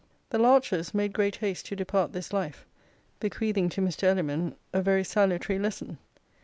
The larches made great haste to depart this life, bequeathing to Mr. Elliman a very salutary lesson.